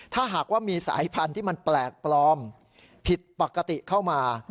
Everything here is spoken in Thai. ถ้าหากว่ามีสายพันธุ์ที่มันแปลกปลอมผิดปกติเข้ามา